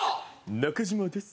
中島です。